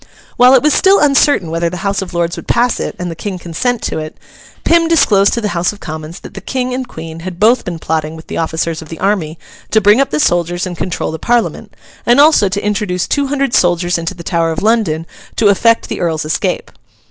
While it was still uncertain whether the House of Lords would pass it and the King consent to it, Pym disclosed to the House of Commons that the King and Queen had both been plotting with the officers of the army to bring up the soldiers and control the Parliament, and also to introduce two hundred soldiers into the Tower of London to effect the Earl's escape.